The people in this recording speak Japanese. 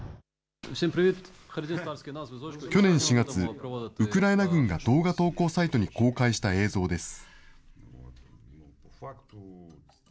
去年４月、ウクライナ軍が動画投稿サイトに公開した映像です。